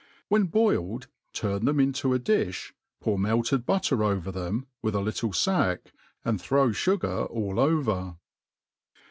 When boiled, ttirn them in* to a diib, pour meltbd butiter over tbeqa, with a litUe iack, ^od throw fugar all over.